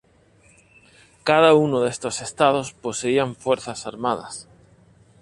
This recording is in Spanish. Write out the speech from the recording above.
Cada uno de estos estados poseían fuerzas armadas.